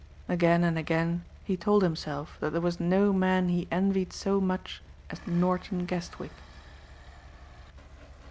Again and again he told himself that there was no man he envied so much as Norton Guestwick.